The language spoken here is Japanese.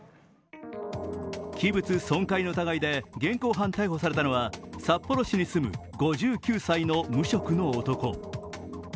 器物損壊の疑いで現行犯逮捕されたのは札幌市に住む５９歳の無職の男。